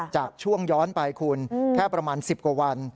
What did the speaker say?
จากช่วงย้อนไปคุณแค่ประมาณ๑๐กว่าวัน